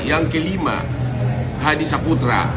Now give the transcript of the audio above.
yang kelima hadi saputra